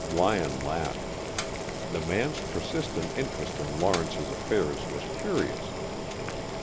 Lyon laughed. The man's persistent interest in Lawrence's affairs was curious.